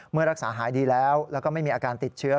เมื่อรักษาหายดีแล้วแล้วก็ไม่มีอาการติดเชื้อ